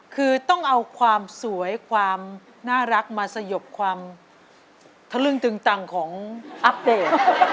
คือต้องเอาความสวยความน่ารักมาสยบความทะลึ่งตึงตังของอัปเดต